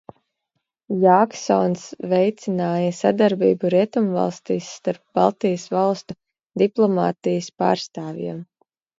Jāksons veicināja sadarbību Rietumvalstīs starp Baltijas valstu diplomātijas pārstāvjiem.